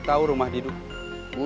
gak nanya diri